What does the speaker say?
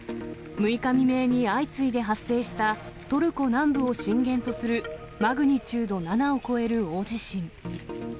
６日未明に相次いで発生した、トルコ南部を震源とするマグニチュード７を超える大地震。